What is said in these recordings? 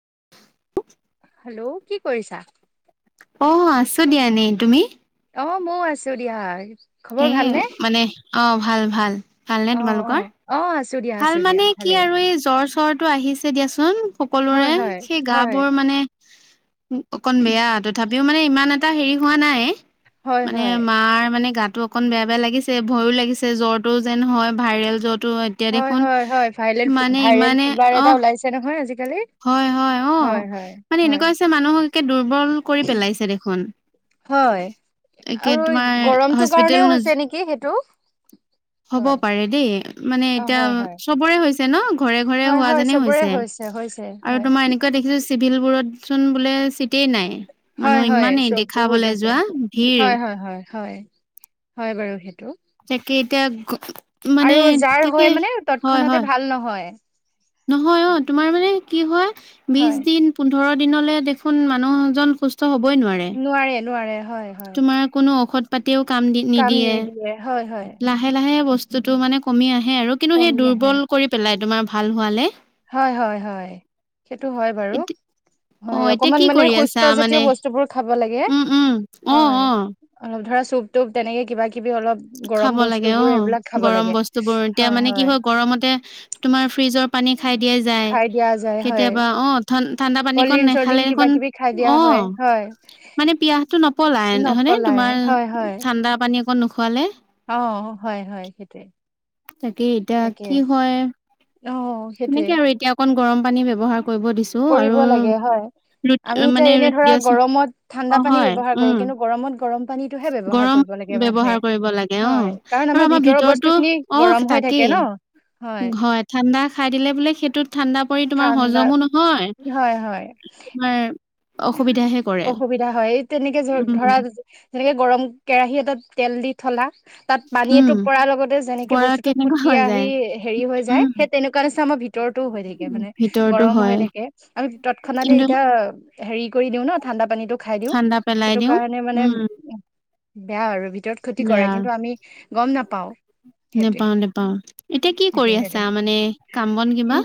[inaudible] Hello কি কৰিছা? অ' আছো দিয়া এনেই। তুমি? অ' ময়ো আছো দিয়াৰ উম মানে অ', ভাল ভাল ভালনে অ অ তোমালোকৰ? অ আছো দিয়া ভাল আছো দিয়া মানে কি ভালেই। আৰু এই জ্বৰ চৰটো আহিছে দিয়াচোন হয় সকলোৰে হয় সেই গা হয় বোৰ মানে। অকন বেয়া তথাপিও মানে ইমান এটা হেৰি হোৱা নাই। হয় মানে হয় মাৰ মানে গাত তো অকন বেয়া বেয়া লাগিছে ভয়ো লাগিছে জ্বৰটো যেন হয় ভাইৰেল জ্বৰটো এতিয়া হয় দেখোন হয় হয় ভাইৰেল মানে ভাইৰেল ইমানে ফিভাৰ এটা অ'। ওলাইছে নহয় আজিকালি। হয় হয় অ' হয় মানে হয় এনেকুৱা আছে মানুহ একে দুৰ্বল কৰি পেলাইছে দেখোন। হয় একে আৰু তোমাৰ গৰমটো হস্পিতেল কাৰণেও নোযো হৈছে নেকি সেইটো। হ'ব হয় পাৰে দেই, মানে অ এতিয়া হয় হয় চবৰে হৈছে। ন ঘৰে, ঘৰে হয় হোৱা হয় যেনে চবৰে হৈছে হৈছে আৰু হয় তোমাৰ এনেকুৱা দেখিছো চিভিল বোৰত সোন বোলে নাই, হয় মানুহ হয় ইমানেই চব বহুত দেখাবলৈ আছে যোৱা ভিৰ হয় হয় হয় হয় হয়, বাৰু। সেইটো তাকে এতিয়া মানে আৰু যাৰ তাকে হয় মানে হয়, তৎক্ষণাতে হয়। ভাল নহয় নহয় অ' তোমাৰ মানে কি হয় হয় বিশ দিন, পোন্ধৰ দিনলে, দেখোন মানুহজন সুস্থ নোৱাৰে, নোৱাৰে। হয় হয় তোমাৰ কোনো ঔষধ পাতিও কাম দি নিদিয়ে লাহে লাহে বস্তু বস্তুটো মানে কমি আহে আৰু কিন্তু সেই কমি আহে দুৰ্বল কৰি পেলাই তোমাৰ ভাল হোৱালে। হয়, হয়, হয়, সেইটো হয়, বাৰু। অ হয়, এতিয়া অকমান কি মানে কৰি সুস্থ আছা মানে জাতীয় বস্তুবোৰ খাব লাগে। উম উম অ' হয় অ'। অলপ ধৰা চুপ, তুপ তেনেকে কিবা কিবি অলপ গৰম খাব লাগে বস্তুবোৰ অ, এইবিলাক খাব গৰম লাগে বস্তু বোৰ, এতিয়া মানে কি হয় গৰমতে তোমাৰ ফ্ৰিজৰ পানী খাই। দিয়া যায়, খাই দিয়া যায় হয় কেতিয়াবা অ, ঠাণ্ডা কল্ড পানীকণ ড্ৰিংক চল্ড ড্ৰিংক নেখালে কিবা কিবি খাই দিয়া হয় অ' হয় মানে পিয়াহটো নপলাই হয়নে নপলাই হয় তোমাৰ হয় ঠাণ্ডা পানী অকণ নোখোৱালে। অ' হয়, হয়। তাকে এতিয়া তাকে কি হয়। অ সেইটোৱে সেনেকে আৰু এতিয়া অকণ গৰম পানী ব্যৱহাৰ কৰিব দিছোঁ কৰিব আৰু লাগে হয় ৰুট আমি এতিয়া মানে এনে ধৰা দিয়াচোন গৰমত অ ঠাণ্ডা পানী হয় ব্যৱহাৰ কৰো। উম কিন্তু গৰমত গৰম পানীতটোহে ব্যৱহাৰ গৰম কৰিব লাগে মানুহে ব্যৱহাৰ কৰিব লাগে অ' হয় কাৰণ আৰু আমাৰ ভিতৰৰ বস্তু ভিতৰতো খিনি অ' গৰম হৈ থাকে তাকেই। ন হয়, ঠাণ্ডা খাই দিলে বোলে সেইটোত ঠাণ্ডা পৰি তোমাৰ ঠাণ্ডা হজমো নহয়, হয় হয় তোমাৰ অসুবিধাহে কৰে, অসুবিধা হয় এই তেনেকে ধ ধৰা উম। যেনেকে গৰম কেৰাহী এটাত তেল দি থলা তাত পানী উম এটোপ পৰাৰ লগতে যেনেকে পৰা বস্তুতটো কেনেকুৱা ফুটি হৈ আহি যায় হেৰি হৈ যায়। উম সেই তেনেকুৱা নিচিনা মই ভিতৰতো হৈ থাকে মানে ভিতৰতো গৰম হৈ হয় থাকে আমি তৎক্ষণাতে কিন্তু এতিয়া হেৰি কৰি দিও ন ঠাণ্ডা পানীটো খাই দিও ঠাণ্ডা পেলাই সেইটো দিওঁ কাৰণে মানে উম বেয়া আৰু ভিতৰত ক্ষতি কৰে বেয়া কিন্তু আমি গম নাপাও। নেপাও, নেপাওঁ এতিয়া কি সেইটোৱে কৰি আছা সেইটোৱে মানে কাম বন কিবা? উম,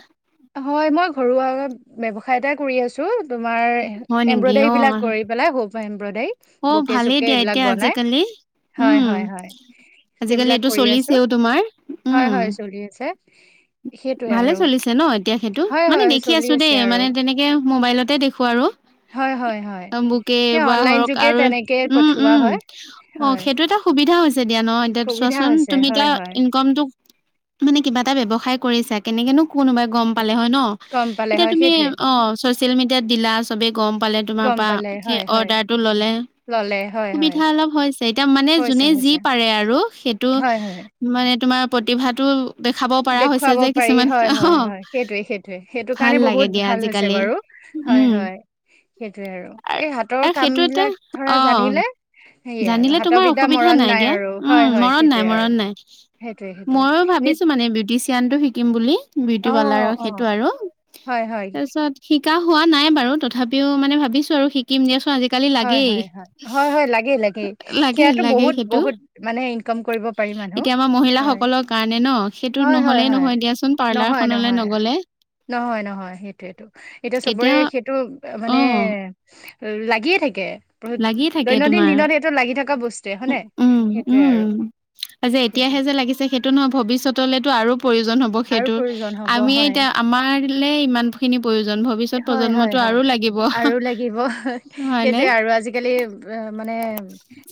হয়, মই ঘৰুৱা ব্যৱসায় এটা কৰি আছোঁ তোমাৰ হয় নেকি এম্ব্ৰইডাৰী অ বিলাক কৰি পেলাই হ'ব। অম্বডাই অ বুকে ভালেই চুকে দিয়া এইবিলাক এতিয়া বনাই আজিকালি হয় উম হয়। আজিকালি সেইবিলাক এইটো কৰি আছো, চলিছেও তোমাৰ হয়, উম হয়, চলি আছে। সেইটোৱে ভালে আৰু চলিছে ন এতিয়া সেইটো হয় মানে হয় দেখি চলি আছো আছে দেই আৰু মানে তেনেকে মোবাইলতে দেখো আৰু হয় হয় হয় বুকে সেই বা অনলাইন হৰক যোগে আৰু তেনেকে উম - পঠোৱা উম হয় অ, হয় সেইটো এটা সুবিধা হৈছে দিয়া ন এতিয়া সুবিধা চোৱাচোন হৈছে তুমি হয় এতিয়া হয় ইনকামটো শুনি কিবা এটা ব্যৱসায় কৰিছা কেনেকেনো কোনোবাই গম। পালে হয় ন গম পালে এতিয়া হয় তুমি সেইটোৱে অ চচিয়েল মিডিয়াত দিলা চবে গম পালে তোমাৰ গম পৰা। পালে হয় হয় অৰ্ডাৰটো ল'লে। ললে হয় হয় সুবিধা অলপ হৈছে এতিয়া মানে হৈছে যোনে যি হৈছে পাৰে আৰু সেইটো হয় হয় মানে তোমাৰ প্ৰতিভাতো দেখাব পৰা হৈছে। পঠাব যে পাৰি কিছুমান অ সেইটোৱে সেইটোৱেই হয় হয় সেইটো ভাল কাৰণে লাগে বহুত দিয়া ভাল হৈছে আজিকালি বাৰু সেইটোৱে সেইটোৱেই উম হয় হয়। সেইটোয়ে আৰু এই হাতৰ আৰু কাম সেইটো এটা বিলাক ধৰা অ জানিলে সে আৰু জানিলে তোমাৰ হাতৰবিধা অসুবিধা মৰা, উম মৰণ মৰণ নাই সেইটোৱে সেইটোৱে মইও এনে ভাবিছোঁ সেইটো কাৰণে বিউটিচিয়ান জ্ঞানটো শিকিম বুলি অ বিউটি পাৰ্লাৰক অ সেইটো আৰু, হয় হয় তাৰপিছত শিকা হোৱা নাই বাৰু তথাপিও মানে ভাবিছো আৰু শিকিম দিয়াচোন, আজিকালি হয় লাগেই হয় হয় লাগে লাগে লাগে সেয়াটো লাগে বহুত সেইটো বহুত ইনকম কৰিবলৈ, এতিয়া আমাৰ মহিলাাসকলৰ কাৰণে ন সেইটো ন'। হয় হয় নহ'লেই হয় নহয় দিয়াচোন নহয় পাৰ্লাৰখনলৈ নহয় নগ'লে। নহয়, নহয় সেইটোয়েইটো এতিয়া চবৰে সেইটো অ মানে। লাগি লাগিয়ে থাকে দৈনন্দিন তোমাৰ দিনত সেইটো লাগি থকা বস্তুৱে হয়নে উম সেইটোয়ে আৰু উম যে সেইটোৱে এতিয়াহে যে লাগিছে সেইটো নহয় ভৱিষ্যত ভবিষ্যতলেতো আৰু প্ৰয়োজন হ'ব আৰু সেইটোৰ প্ৰয়োজন হ'ব আমি হয়। এতিয়া আমাৰলে ইমান খিনি প্ৰয়োজন ভৱিষ্যত হয়, হয়, প্ৰজন্মটো হয় আৰু লাগিব আৰু লাগিব। হয়নে? সেইটোৱে আৰু আজিকালি অ' মানে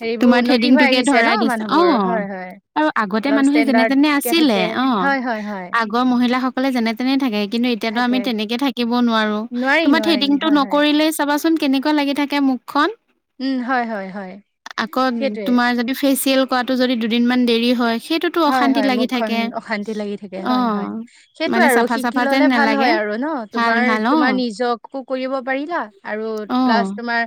হেৰিবোৰ তোমাৰ উন্নতি হৈ থ্ৰেডিংটোকে আহিছে ন ধৰাই দিছে অ মানুহবোৰ হয়-হয়। আৰু আগতে মানুহে যেনে তেনে আছিলে অ' হয়, হয়, হয় আগৰ মহিলাসকলে যেনে তেনে থাকে কিন্তু এতিয়াটো থাকে। আমি তেনেকে থাকিব নোৱাৰো নোৱাৰি, তোমাৰ নোৱাৰি থ্ৰেদিঙটো হয়, হয় নকৰিলে চাবাচোন। মুখখন কেনেকুৱা লাগি থাকে মুখখন উম, হয়, হয়, হয় আকৌ সেইটোৱে। তোমাৰ যদি ফেচ চেল কৰাটো যদি দুদিনমান দেৰি হয় হয় অশান্তি হয় লাগি মুখখন থাকে। অশান্তি লাগি থাকে অ হয় হয় সেইটো মানে আৰু চাফা শিকি চাফা যেন ললে ভাল নালাগে। হয় আৰু। আৰু ন ভাল তোমাৰ ভাল অ তোমাৰ নিজকো কৰিব পাৰিলা আৰু অ প্লাছ তোমাৰ।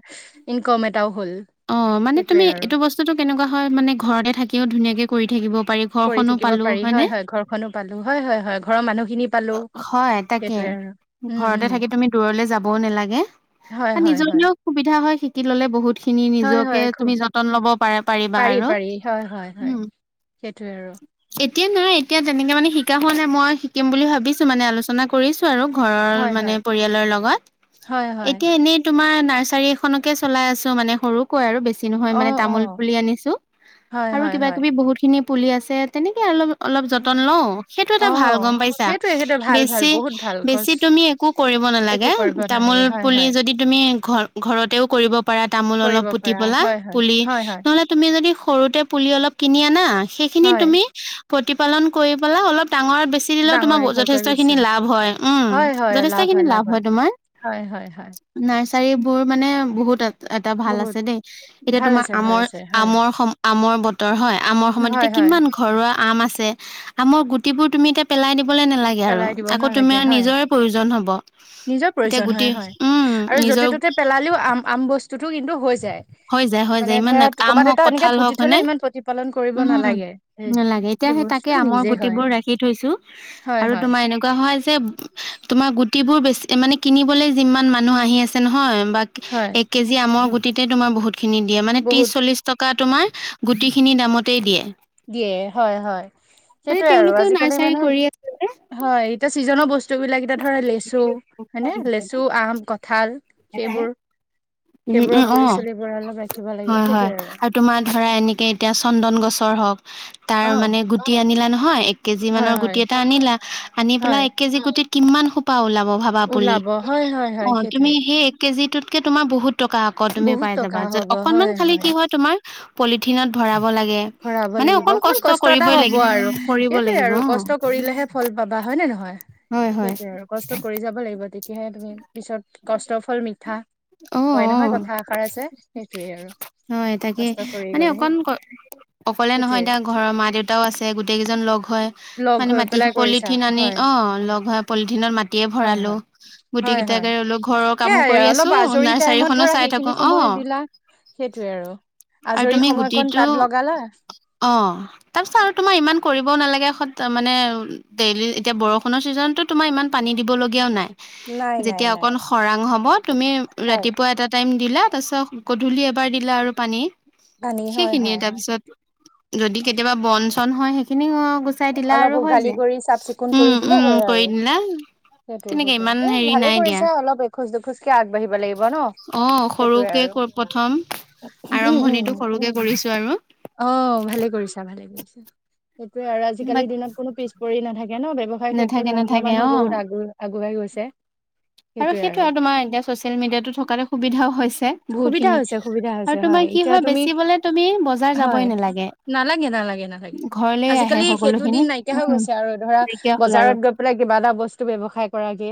ইনক'ম এটাও। হ'ল অ মানে সেইটোৱে তুমি আৰু এইটো বস্তুতটো কেনেকুৱা হয় মানে ঘৰতে থাকিও ধুনীয়াকে কৰি থাকিব পাৰি কৰি ঘৰখনো থাকিব পালো পাৰি হয়নে হয় হয় ঘৰখনো পালো হয় হয় হয় ঘৰৰ মানুহখিনি। পালো হয় তাকে সেইটোৱে আৰু উম উম ঘৰতে থাকি তুমি দূৰলে যাবও নালাগে হয় আৰু হয় হয় নিজৰলৈও সুবিধা হয় শিকি ললে বহুত। খিনি হয় হয় নিজকে খুব তুমি যতন ল'ব পাৰা পাৰিবা পাৰি আৰু পাৰি হয় হয় হয় উম। সেইটোৱে আৰু এতিয়া নাইয় এতিয়া তেনেকে মানে শিকা হোৱা নাই মই শিকিম বুলি ভাবিছো মানে আলোচনা কৰিছো। ঘৰৰ হয় মানে হয় পৰিয়ালৰ লগত হয় হয় এইটো এনেই তোমাৰ নাৰ্চাৰী এখনকে চলাই আছো মানে সৰুকৈ আৰু বেছি। বি নহয় অ মানে অ তামোল পুলি আনিছো হয় আৰু হয় কিবা হয় কিবি বহুত খিনি পুলি আছে তেনেকে অলপ অলপ যতন লওঁ সেইটো অ এটা ভাল গম পাইছা সেইটোৱে সেইটোৱে ভাল ভাল বেছি বহুত ভাল বেছি গছ তুমি একো কৰিব একো নালাগে কৰিব তামোল নালাগে হয় পুলি হয় যদি তুমি। ঘৰতেও কৰিব পাৰা তামোল অলপ কৰিব পুতি পৰা পা হয় হয় পুলি হয় হয় নহলে তুমি। তেনেকৈ যদি সৰুতে পুলি অলপ কিনি আনা সেইখিনি হয় তুমি প্ৰতিপালন কৰি। ডাঙৰ বেছি দিলেও ডাঙৰ তোমাৰ দীঘল কৰি যথেষ্ট দিছে খিনি লাভ হয় উম যথেষ্ট খিনি লাভ হয় তোমাৰ। হয় -হয় -হয় চাৰিবোৰ মানে বহুত আ এটা ভাল বহুত আছে দেই এতিয়া ভাল তোমাৰ আছে ভাল আমৰ আছে হয় আমৰ সম আমৰ বতৰ হয় আমৰ সময়ত হয় এতিয়া কি হয় ইমান ঘৰুৱা আম আছে আমৰ গুটিবোৰ এতিয়া তুমি পেলাই ক'বলে নালাগে আৰু পেলাই দিব আকৌ নালাগে তোমাৰ হয় নিজৰ প্ৰয়োজন হ'ব। নিজৰ এতিয়া প্ৰয়োজন গুটি হয় হয় আৰু য'তে নিজৰ ত'তে পেলালেও আম আম বস্তুতটো কিন্তু হৈ যায়। হৈ যায় হৈ মানে যায় ইমান ধৰা আম কৰ'বাত হওক এটা এনেকে কঁঠাল পুতি হওক থলে হয়নে ইমান প্ৰতিপালন কৰিব উম। নালাগে। নালাগে এতিয়া সেই সেইবোৰ তাকে আমৰ গুটিবোৰ ৰাখি থৈছো হয় আৰু হয় তোমাৰ এনেকুৱা হয় যে তোমাৰ গু গুটিবোৰ বেছি মানে কিনিবলৈ যিমান মানুহ আহি আছে নহয় বা হয় এক কেজি আমৰ গুটি গুটিতে তোমাৰ বহুত খিনি দিয়ে মানে বহুত ত্ৰিশ চল্লিশ টকা তোমাৰ গুটি খিনি দামতেই দিয়ে। দিয়ে হয়-হয়, মানে সেইটোৱে আৰু তেওঁলোকেও আজিকালি নাৰ্চাৰী মানে কৰি আছে যে হয়, এতিয়া চিজনৰ বস্তু বিলাক এতিয়া ধৰা লেচু হয়নে লেচু, আম, কঁঠাল সেইবোৰ সেইবোৰৰ পুলি চুলিবোৰৰ লগত হয়-হয় আৰু তোমাৰ ধৰা এনেকে এতিয়া চন্দন গছৰ হওক তাৰ অ মানে গুটি আনিলা নহয় এক কেজি হয় মানৰ গুটি হয় এটা আনিলা। আনি হয় পেলাই এক কেজি গুটিত কিমান সোপা ওলাব। অ', ভাবা বুলি, ওলাব হয় হয় হয় অ', তুমি সেইটোৱে সেই এক কেজিটোটকে তোমাৰ বহুত টকা আকৌ তুমি বহুত পাই যাবা। টকা হ'ব অকনমান হয় খালি কি হয় তোমাৰ পলিথিনত ভৰা ব লাগে। ভৰাব মানে লাগিব অকণ অকমান কষ্ট এটা কৰিবই হ'ব লাগিব। আৰু কৰিব সেইটোয়ে লাগিব। আৰু অ'। কষ্ট কৰিলেহে ফল পাবা হয় নে নহয়? হয় হয় সেইটোৱে আৰু কষ্ট কৰি যাব লাগিব তেতিয়াহে তুমি পিছত কষ্টৰ ফল মিঠা। অ কয় অ নহয় কথা আষাৰ আছে সেইটোৱে আৰু হয় তাকে কষ্ট কৰি মানে গ'লেহে অকন ক অকলে নহয় সেইটোয়ে এতিয়া ঘৰৰ মা দেউতাও আছে। গোটেই কেইজন লগ হয়, লগ মানে হৈ মাটি পেলাই কৰিছা পলিথিন আনি অ', লগ হয় পলিথিনত মাটিয়ে ভৰালো গুটি কেইটাকে হয়-হয়-হয়-হয়, ৰুলো ঘৰৰ কামো এয়াই কৰি আছো অলপ আজৰি টাইমত নাৰ্চাৰীখনো ধৰা চাই থাকো সেইখিনি অ সময় দিলা সেইটোৱে আৰু আৰু আজৰি তুমি সময়কণ গুটিটো তাত লগালা অ', তাৰ পাছত আৰু তোমাৰ ইমান কৰিবও নালাগে মানে ডেইলি এতিয়া বৰষুণৰ ছিজনতো তোমাৰ ইমান পানী দিবলগীয়াও নাই। নাই নাই যেতিয়া নাই অকন খৰাং হ'ব তুমি হয় ৰাতিপুৱা এটা টাইম দিলা তাৰপিছত গধূলি এবাৰ দিলা আৰু পানী পানী হয় সেইখিনিয়ে হয় তাৰ হয় পিছত যদি কেতিয়াবা বন চন হয় সেইখিনিও আও গুচাই দিলা অলপ আৰু হৈ উঘালি যায়, কৰি চাফ চিকুণ কৰি দিলে হয় উম-উম কৰি আৰু দিলা। সেইটোৱে তেনেকে ইমান সেইটোৱে হেৰি ভালে নাই দিয়া। কৰিছা অলপ এখোজ দুখোজ অ', সৰুকে আৰু প্ৰথম উম উম উম আৰম্ভণিটো সৰুকে কৰিছো আৰু অ', ভালে কৰিছা ভালে কৰিছা সেইটোৱে আৰু আজিকালিৰ বাক দিনত কোনো পিছপৰি নাথাকে ন'। ব্যৱসায়ৰ ক্ষেত্ৰত নাথাকে মহিলা নাথাকে মানুহো অ'। বহুত আগু আগুৱাই গৈছে। আৰু সেইটো আৰু তোমাৰ এতিয়া চচিয়েল মিডিয়াতো থকাটো সুবিধাও হৈছে সুবিধা বহুতখিনি হৈছে সুবিধা হৈছে আৰু তোমাৰ কি এতিয়া হয় তুমি বেচিবলে তুমি বজাৰ হয় যাবই নালাগে। নালাগে ঘৰলেই আহে সকলো সেইবোৰ দিন নাইকিয়া হৈ গৈছে আৰু ধৰা আৰু বজাৰত গৈ পেলাই কিবা এটা বস্তু ব্যৱসায় কৰাগে।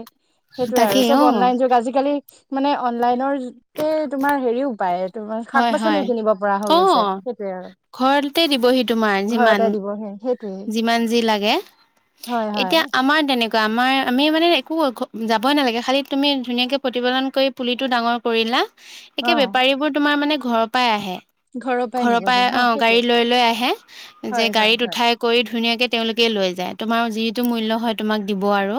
সেইটো তাকে চব অ অনলাইন যোগ আজিকালি মানে অনলাইনৰ গোটেই তোমাৰ হেৰিও পায় তোমাৰ হয় হয় শাক-পাচলিও কিনিব পৰা হৈ অ গৈছে সেইটোৱে আৰু ঘৰতে দিবহি তোমাৰ যিমান ঘৰতে দিবহি সেইটোয়ে যিমান যি লাগে হয় হয় এতিয়া আমাৰ তেনে তেনেকুৱা আমাৰ আমি মানে একো যাবই নালাগে। খালী তুমি ধুনীয়াকে প্ৰতিপালন কৰি পুলিটো ডাঙৰ কৰিলা অ একে বেপাৰী বোৰ তোমাৰ মানে ঘৰৰ পৰাই আহে। পৰাই ঘৰৰ নিবহি পৰা অ, ' গাড়ী সেইটোয়ে লৈ লৈ আহে যে হয় হয় গাড়ীত হয় উঠাই কৰি ধুনীয়াকে তেওঁলোকে লৈ যায়, তোমাৰ যিটো মূল্য হয় তোমাক দিব আৰু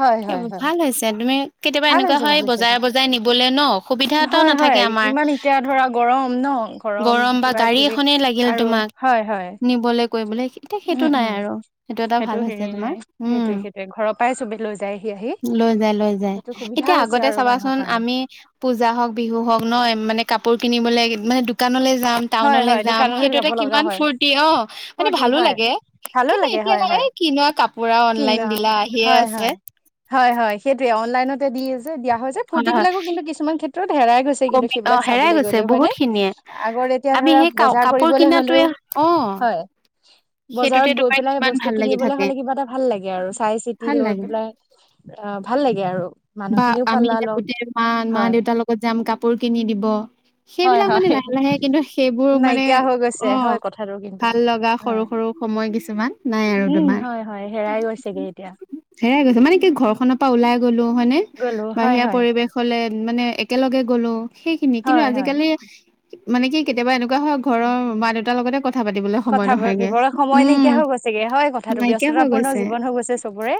হয় হয় হয় ভাল হৈছে, তুমি কেতিয়াবা ভাল এনেকুৱা হৈছে হয় ভাল হৈছে বজাৰে বজাৰে নিবলৈ ন' অসুবিধা এটাও হয় নাথাকে হয় বাকী আমাৰ, কিমান এতিয়া ধৰা গৰম ন গৰম বা কিবা গাড়ী কিবি এখনেই লাগিল আৰু তোমাক হয় হয় নিবলে এতিয়া সেইটো উম নাই উম আৰু সেইটো এটা ভাল হৈছে হেৰি তোমাৰ, নাই উম। সেইটোৱে সেইটোৱে ঘৰৰ পৰাই চবে লৈ যায়হি আহি লৈ যায় লৈ যায়। সেইটো সুবিধা এতিয়া হৈছে আগতে আৰু মানুহৰ চাবাচোন কাৰণে আমি পূজা হওক বিহু হওক ন মানে কাপোৰ কিনিবলে মানে দোকানলৈ যাম হয় টাউনলৈ হয় যাম দোকানলৈ সেইটো এটা যাব লগা কিমান হয় ফূৰ্তি অ' মানে ফূৰ্তি ভালো হয় লাগে। ভালো কিন্তু লাগে এতিয়া হয় নাই হয় কিনত হয় হয় হয় হয় সেইটোৱে অনলাইনতে দি আছে। দিয়া হৈছে যে ফূৰ্ত হয় হয় বিলাকো কিন্তু কিছুমান ক্ষেত্ৰত হেৰাই গৈছে কিন্তু কমি অ সেইবিলাক হেৰাই চাবলৈ গৈছে গ'লেও হয় বহুত নে খিনিয়ে আগতে। এতিয়া আমি ধৰক সেই কা বজাৰ কাপোৰ কৰিবলে হ'লেও, কিনাটোৱে অ হয়। সেইটোতে বজাৰত গৈ তোমাৰ পেলাই কিমান বস্তু ভাল লাগি কিনিবলৈ থাকে হ'লে কিবা এটা। ভাল লাগে আৰু চাই চিতি ভাল লৈ লাগে। পেলাই অ' ভাল লাগে আৰু বা মানুহখিনিও আমি পালা এতিয়া লগ গোটেই মা-মা হয় দেউতাৰ লগত যাম কাপোৰ কিনি দিব। হয় সেইবিলাক মানে হয় লাহে লাহে কিন্তু সেইবোৰ মানে নাইকিয়া হৈ গৈছে অ হয় কথাটো কিন্তু। ভাল লগা সৰু হয় সৰু, সময় কিছুমান নাই আৰু উম তোমাৰ। হয় হয় হেৰাই গৈছেগে এতিয়া হেৰাই গৈছে মানে কি ঘৰখনৰ পৰা ওলাই। মানে গ'লো হয় বাহিৰা হয় পৰিৱেশ হলে মানে একেলগে গ'লো। সেইখিনি কিন্তু হয় হয় আজিকালি মানে কি কেতিয়াবা এনেকুৱা হয় ঘৰৰ মা দেউতাৰ লগতে। কথা পাতিবলৈ সময় কথাবোৰ নহয়গে। দিবৰে সময় উম, নাইকিয়া হৈ গৈছেগে হয় কথাটো ব নাইকিয়া হৈ ব্যস্ততাপূৰ্ণ গৈছে। জীৱন হৈ গৈছে চবৰে।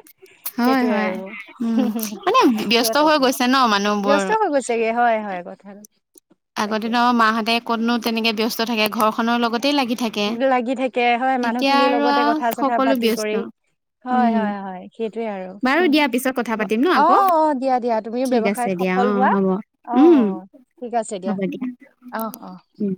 হয়, সেইটোৱে হয়। আৰু। উম, মানে ব্যস্ত হৈ গৈছে ন মানুহবোৰ। ব্যস্ত হৈ গৈছে গে হয় হয় কথাটো। আগৰ তাকে দিনৰ মাহঁতে ক'তনো তেনেকে ব্যস্ত থাকে ঘৰখনৰ লগত। লাগি থাকে হয় মানুহখিনিৰ আৰু লগতে আও কথা চথা সকলো পাতি ব্যস্ত। কৰি। হয় উম, হয় হয় সেইটোয়ে বাৰু দিয়া পিছত কথা আৰু, অ', পাতিম ন আকৌ অ', দিয়া দিয়া তুমিও ঠিক আছে ব্যৱসায়ত দিয়া সফল অ' হোৱা হ'ব। অ উম, ঠিক আছে দিয়া অহ অহ। উম।